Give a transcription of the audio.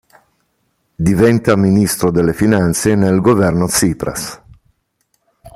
Diventa Ministro delle finanze nel governo Tsipras.